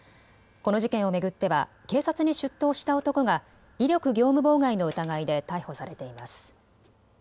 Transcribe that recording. この事件を巡っては警察に出頭した男が威力業務妨害の疑いで逮捕されています。